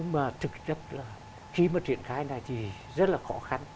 mà thực chất là khi mà triển khai này thì rất là khó khăn